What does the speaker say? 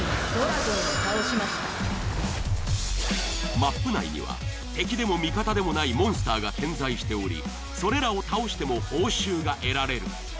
マップ内には敵でも味方でもないモンスターが点在しておりそれらを倒しても報酬が得られる。